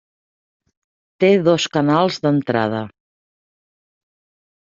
Té dos canals d'entrada.